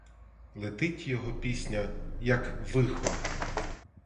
Летить його пісня, як вихор.